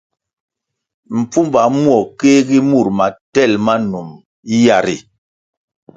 Mpfuma muo kéhgi mur matel ma num yah ri.